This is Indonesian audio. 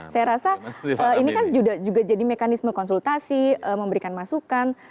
saya rasa ini kan juga jadi mekanisme konsultasi memberikan masukan